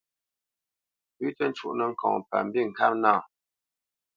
Pʉ̌ tǝ́ cúnǝ́ ŋkɔŋ pa mbîŋkâp nâ.